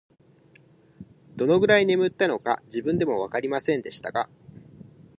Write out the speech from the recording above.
どのくらい眠ったのか、自分でもわかりませんでしたが、